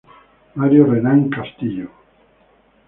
Mario Renán Castillo.